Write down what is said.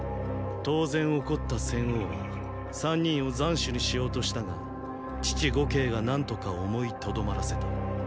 当然怒った先王は三人を斬首にしようとしたが父呉慶が何とか思い止まらせた。